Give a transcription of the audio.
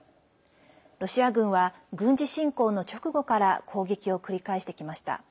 ロシア軍は軍事侵攻の直後から攻撃を繰り返してきました。